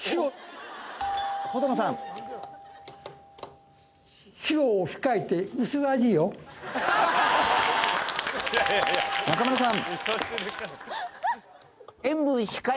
程野さん中村さん